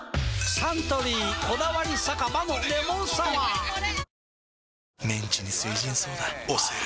サントリー「こだわり酒場のレモンサワー」推せる！！